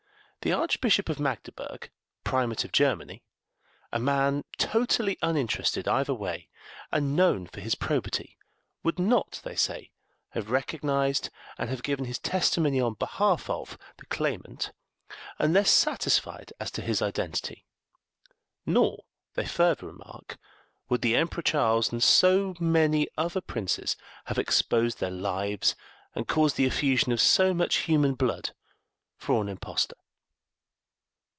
The Archbishop of Magdeburg, Primate of Germany, a man totally uninterested either way, and known for his probity, would not, they say, have recognised and have given his testimony on behalf of the claimant unless satisfied as to his identity; nor, they further remark, would the Emperor Charles and so many other princes have exposed their lives and caused the effusion of so much human blood for an impostor.